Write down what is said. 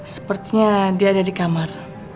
sepertinya dia ada di kamar